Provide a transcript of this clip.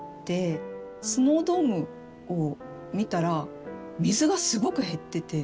スノードームを見たら水がすごく減ってて。